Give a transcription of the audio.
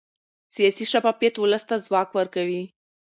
سیاسي شفافیت ولس ته ځواک ورکوي